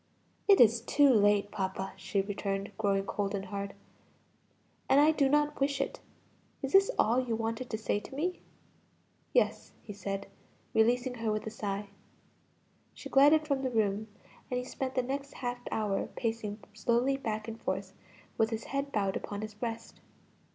"It is too late, papa," she returned, growing cold and hard; "and I do not wish it. Is this all you wanted to say to me?" "Yes," he said, releasing her with a sigh. She glided from the room and he spent the next half hour in pacing slowly back and forth with his head bowed upon his breast.